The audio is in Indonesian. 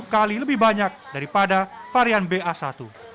kali lebih banyak daripada varian ba satu